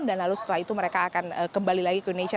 dan lalu setelah itu mereka akan kembali lagi ke indonesia